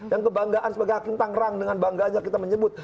yang kebanggaan sebagai hakim tangerang dengan bangganya kita menyebut